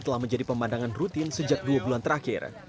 telah menjadi pemandangan rutin sejak dua bulan terakhir